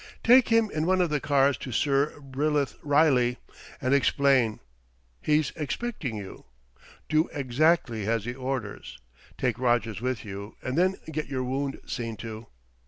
"Take him in one of the cars to Sir Bryllith Riley, and explain. He's expecting you. Do exactly as he orders. Take Rogers with you, and then get your wound seen to."